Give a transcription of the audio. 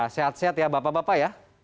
sehat sehat ya bapak bapak ya